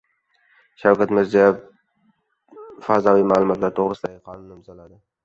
Prezident Shavkat Mirziyoev "Fazoviy ma’lumotlar to‘g‘risida"gi qonunni imzoladi.